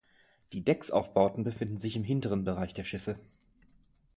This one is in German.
Die Decksaufbauten befinden sich im hinteren Bereich der Schiffe.